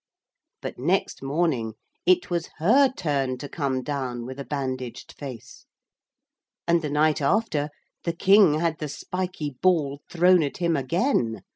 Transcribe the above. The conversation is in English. But next morning it was her turn to come down with a bandaged face. And the night after, the King had the spiky ball thrown at him again.